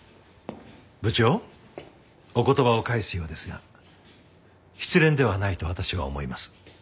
部長お言葉を返すようですが失恋ではないと私は思います。